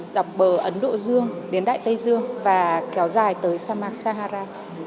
đọc bờ ấn độ dương đến đại tây dương và kéo dài tới sa mạc sahara